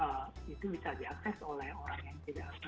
dan juga itu bisa diakses oleh orang yang tidak berkepentingan